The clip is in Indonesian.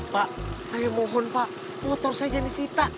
pak saya mohon pak motor saya jadi sita